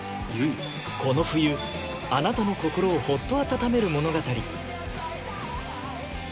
この冬あなたの心をホッと温める物語